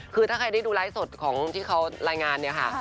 คือถ้าใครได้ดูไลฟ์สดของที่เขารายงานเนี่ยค่ะ